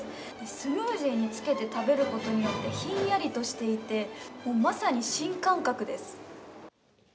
スムージーにつけて食べることによってひんやりとしていてまさに新感覚です。